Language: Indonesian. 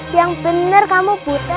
yang bener kamu buta